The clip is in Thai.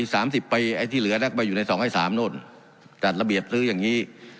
สามสิบปีไอ้ที่เหลือนักไปอยู่ในสองให้สามโน่นจัดระเบียบซื้ออย่างงี้